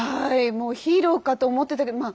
もうヒーローかと思ってたけど